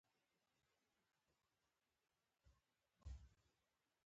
مشګڼې د حیواناتو خواړه دي